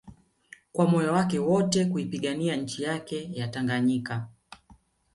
kwa moyo wake wote kuipigania nchi yake ya Tanganyika